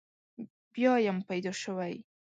بیا یم پیدا شوی.